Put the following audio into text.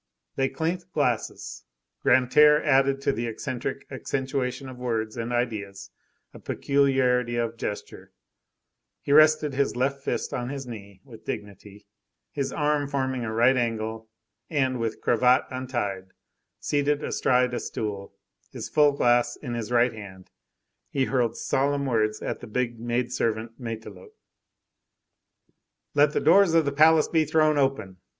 They clinked glasses. Grantaire added to the eccentric accentuation of words and ideas, a peculiarity of gesture; he rested his left fist on his knee with dignity, his arm forming a right angle, and, with cravat untied, seated astride a stool, his full glass in his right hand, he hurled solemn words at the big maid servant Matelote:— "Let the doors of the palace be thrown open!